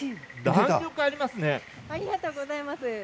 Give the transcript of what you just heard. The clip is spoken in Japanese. ありがとうございます。